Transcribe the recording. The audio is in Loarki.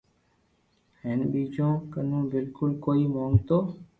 ھين ٻيجو ڪنو بلڪول ڪوئي موگتو